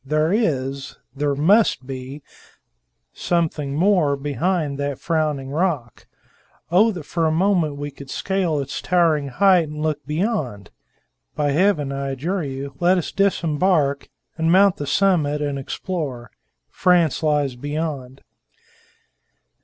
There is there must be something more behind that frowning rock. Oh, that for a moment we could scale its towering height and look beyond! By Heaven, I adjure you, let us disembark, and mount the summit and explore! France lies beyond."